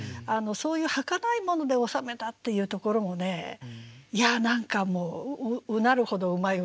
そういうはかないもので収めたっていうところもねいや何かもううなるほどうまい歌だなと思いますね。